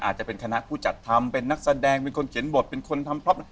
อาจจะเป็นคณะผู้จัดทำเป็นนักแสดงเป็นคนเขียนบทเป็นคนทำพล็อป